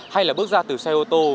hay là bước ra từ xe ô tô